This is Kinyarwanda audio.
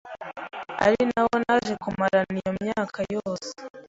ari na wo naje kumarana iyo myaka yose